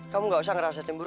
kamu gak usah ngerasa cemburu